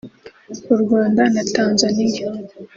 u Rwanda na Tanzania